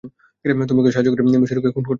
তুমি ওকে সাহায্য করেছ মিস্টিরিওকে খুন করতে?